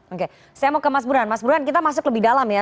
oke saya mau ke mas burhan mas burhan kita masuk lebih dalam ya